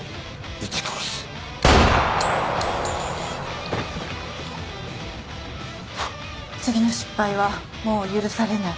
銃声フッ次の失敗はもう許されない。